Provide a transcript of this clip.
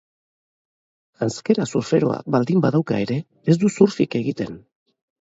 Janzkera surferoa baldin badauka ere, ez du surfik egiten.